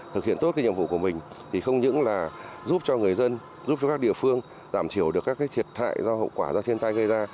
thực hiện tốt nhiệm vụ của mình thì không những là giúp cho người dân giúp cho các địa phương giảm thiểu được các thiệt hại do hậu quả do thiên tai gây ra